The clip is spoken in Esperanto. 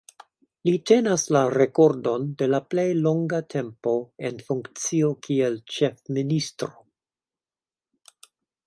Li tenas la rekordon de la plej longa tempo en funkcio kiel Ĉefministro.